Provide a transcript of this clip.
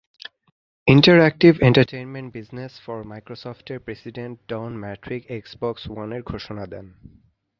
Interactive entertainment business for মাইক্রোসফটের president Don Mattrick Xbox ওয়ানের ঘোষণা দেন।